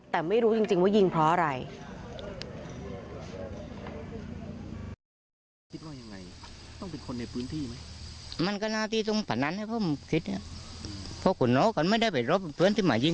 แต่ไม่รู้จริงว่ายิงเพราะอะไร